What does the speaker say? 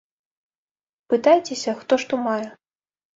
Пытайцеся, хто што мае.